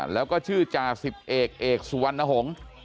แล้วก็ชื่อจ่าสิบเอกเอกสุวรรณหงษ์